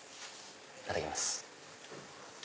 いただきます。